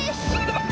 はっ！